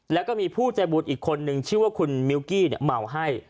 แล้วก็มีผู้ใจบุญอีกคนนึงชื่อว่าคุณมิวกี้เมาให้